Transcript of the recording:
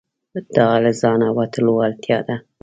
دا له ځانه وتلو اړتیا ده.